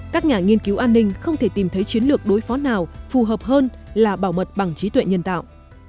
các nhà nghiên cứu an ninh không thể tìm thấy chiến lược đối phó nào phù hợp hơn là bảo mật bằng chí tuệ nhân tạo